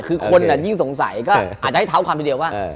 คือคนยิ่งสงสัยก็อาจจะให้เท้าความทีเดียวว่า